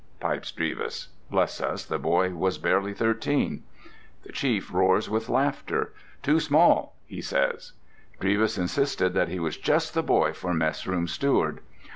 pipes Drevis. (Bless us, the boy was barely thirteen!) The chief roars with laughter. "Too small!" he says. Drevis insisted that he was just the boy for mess room steward.